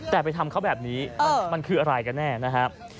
แต่ไปทำเขาแบบนี้มันคืออะไรกันแน่นะครับ